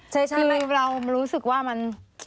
คือเรารู้สึกว่ามัน